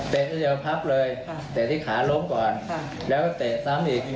ก็จะพับเลยเตะที่ขาล้มก่อนแล้วก็เตะซ้ำอีก